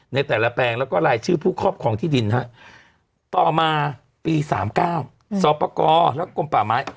ในแต่ละแปลงแล้วก็รายชื่อผู้ครอบครองที่ดินต่อมาปี๓๙สอบประกอบและกรมป่าไม้